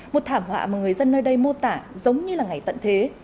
một thảm họa mà người dân nơi đây mô tả giống như là ngày tận thế